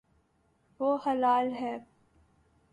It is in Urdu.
وہ ہلال ہے